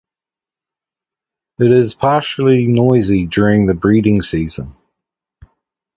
It is particularly noisy during the breeding season.